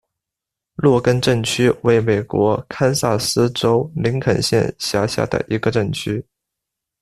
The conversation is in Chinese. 洛根镇区为美国堪萨斯州林肯县辖下的镇区。